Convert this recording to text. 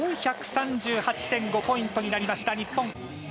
４３８．５ポイントになりました日本。